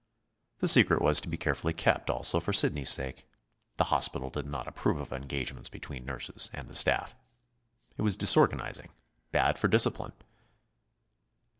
The secret was to be carefully kept also for Sidney's sake. The hospital did not approve of engagements between nurses and the staff. It was disorganizing, bad for discipline.